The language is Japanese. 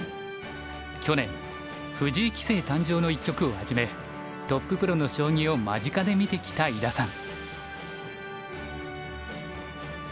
去年藤井棋聖誕生の一局をはじめトッププロの将棋を間近で見てきた井田さん。